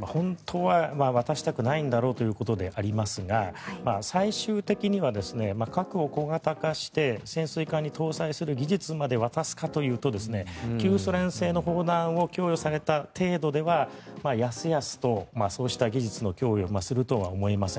本当は渡したくないんだろうということでありますが最終的には核を小型化して潜水艦に搭載する技術まで渡すかというと旧ソ連製の砲弾を供与された程度ではやすやすとそうした技術の供与をするとは思えません。